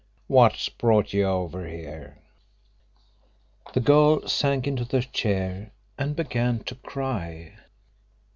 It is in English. "What's brought you over here?" The girl sank into the chair and began to cry.